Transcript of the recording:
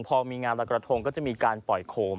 พอมีงานรอยกระทงก็จะมีการปล่อยโขม